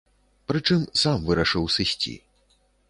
Прычым сам вырашыў сысці.